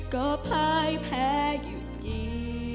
ก็พลาดแพ้อยู่ที่